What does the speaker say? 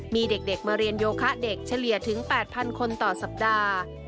มีเด็กมาเรียนโยคะเด็กเฉลี่ยถึง๘๐๐คนต่อสัปดาห์